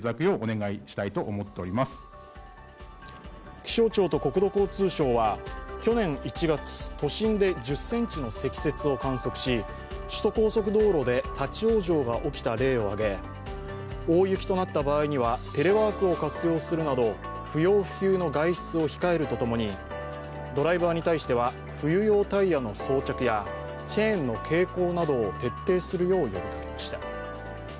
気象庁と国土交通省は、去年１月、都心で１０ｃｍの積雪を観測し、首都高速道路で立往生が起きた例を挙げ大雪となった場合にはテレワークを活用するなど不要不急の外出を控えるとともにドライバーに対しては冬用タイヤの装着やチェーンの携行などを徹底するよう呼びかけました。